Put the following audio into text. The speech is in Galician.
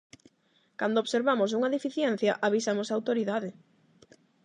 Cando observamos unha deficiencia avisamos á autoridade.